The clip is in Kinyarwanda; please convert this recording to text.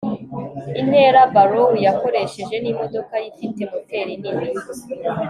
intera barrow yakoresheje n'imodoka ye ifite moteri nini